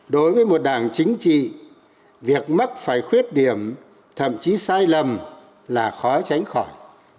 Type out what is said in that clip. đối với một đảng chính trị việc mắc phải khuyết điểm thậm chí sai lầm là khó tránh khỏi